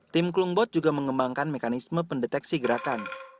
tim klumbot juga mengembangkan mekanisme pendeteksi gerakan